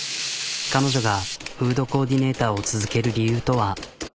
彼女がフードコーディネーターを続ける理由とは。